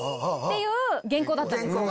いう原稿だったんです。